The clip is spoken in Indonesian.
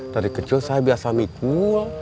dari kecil saya biasa mikul